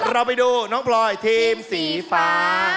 เราไปดูน้องพลอยทีมสีฟ้า